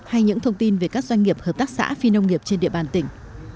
hay những thông tin về các doanh nghiệp hợp tác xã phi nông nghiệp trên địa bàn tỉnh